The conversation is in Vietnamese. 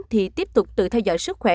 thì tiếp tục tự theo dõi sức khỏe